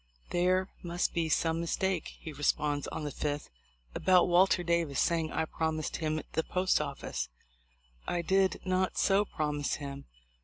"There must be some mistake," he responds on the 5th, "about Walter Davis saying I promised him the post office. I did not so promise him.